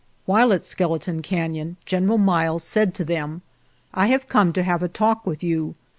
" While at Skeleton Canon General Miles said to them: ' I have come to have a talk with you.'